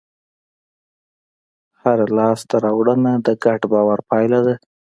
هره لاستهراوړنه د ګډ باور پایله ده.